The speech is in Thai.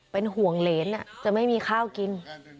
เป็นห่วงเหรนจะไม่มีข้าวกิน